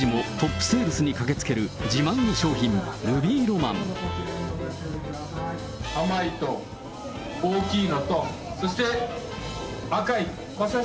馳知事もトップセールスに駆けつける自慢の商品、ルビーロマ甘いと大きいのと、そして赤い。